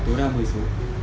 tối đa một mươi số